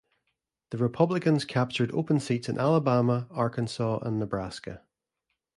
The Republicans captured open seats in Alabama, Arkansas, and Nebraska.